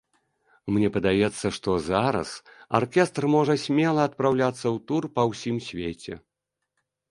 Мне падаецца, што зараз аркестр можа смела адпраўляцца ў тур па ўсім свеце.